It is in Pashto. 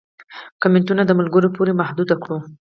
کمنټونه د ملګرو پورې محدود کړي وو